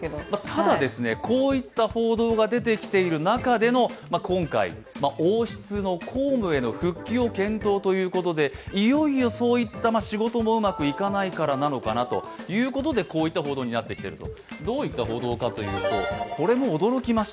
ただ、こういった報道が出てきている中での今回王室の公務への復帰を検討ということで、いよいよそういった仕事もうまくいかないからなのかなとこういった報道になってきていると。